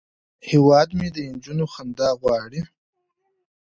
هیواد مې د نجونو خندا غواړي